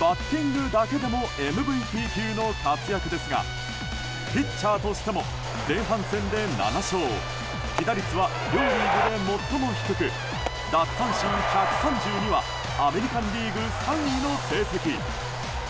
バッティングだけでもＭＶＰ級の活躍ですがピッチャーとしても前半戦で７勝被打率は両リーグで最も低く奪三振１３２はアメリカン・リーグ３位の成績。